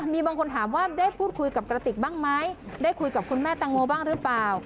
มีบางคนถามว่าได้พูดคุยกับกระติกบ้างไหมได้คุยกับคุณแม่แตงโมบ้างหรือเปล่า